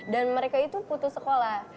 mereka itu putus sekolah